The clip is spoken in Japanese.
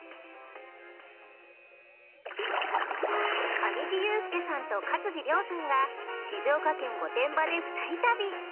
◆上地雄輔さんと勝地涼さんが静岡県御殿場で２人旅。